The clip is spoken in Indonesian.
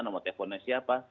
nama teleponnya siapa